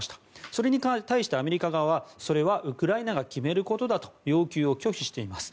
それに対してアメリカ側はそれはウクライナが決めることだと要求を拒否しています。